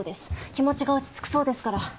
気持ちが落ち着くそうですから。